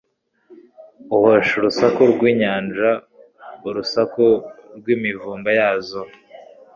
uhosha urusaku rw'inyanja, urusaku rw'imivumba yazo